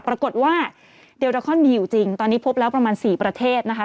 ปรากฏว่าเดลดาคอนมีอยู่จริงตอนนี้พบแล้วประมาณ๔ประเทศนะคะ